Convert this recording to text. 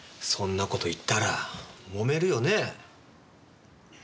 そんな事言ったら揉めるよねぇ？